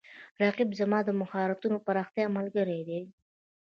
رقیب زما د مهارتونو د پراختیا ملګری دی